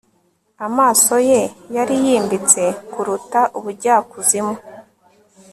Amaso ye yari yimbitse kuruta ubujyakuzimu